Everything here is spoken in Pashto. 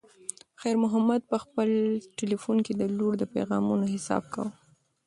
خیر محمد په خپل تلیفون کې د لور د پیغامونو حساب کاوه.